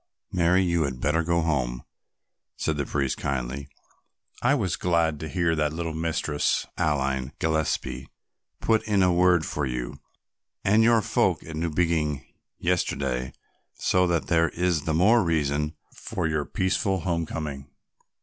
"Mary, you had better go home," said the priest kindly. "I was glad to hear that little Mistress Aline Gillespie put in a word for you and your folk at Newbiggin yesterday, so that there is the more reason for your peaceful homecoming."